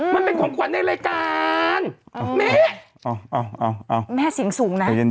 มันเป็นของกวนในรายการแม่แม่เสียงสูงนะเย็น